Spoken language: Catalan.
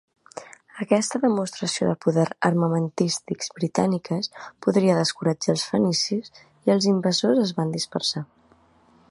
Aquesta demostració de poder armamentístic britàniques podria descoratjar els fenicis i els invasors es van dispersar.